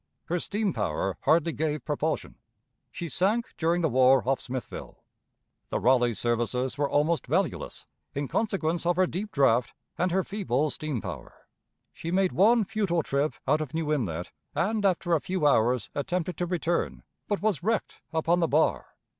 Her steam power hardly gave propulsion. She sank during the war off Smithville. The Raleigh's services were almost valueless in consequence of her deep draught and her feeble steam power. She made one futile trip out of New Inlet, and after a few hours attempted to return, but was wrecked upon the bar.